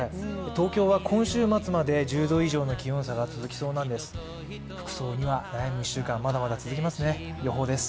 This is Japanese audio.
東京は今週末まで１０度以上の気温差が続きそうです。